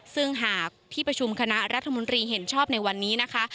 ซึ่งหากที่ประชุมคณะรัฐมนตรีเห็นชอบในวันนี้นะคะ